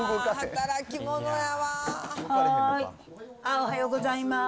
おはようございます。